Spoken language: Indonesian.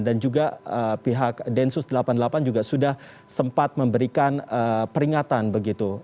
dan juga pihak densus delapan puluh delapan juga sudah sempat memberikan peringatan begitu